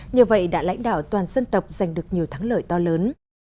nhờ vậy đã lãnh đạo toàn dân tộc giành được nhiều thắng lợi to lớn